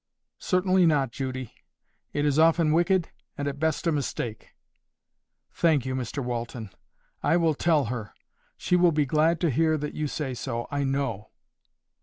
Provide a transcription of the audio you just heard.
"Certainly not, Judy. It is often wicked, and at best a mistake." "Thank you, Mr Walton. I will tell her. She will be glad to hear that you say so, I know."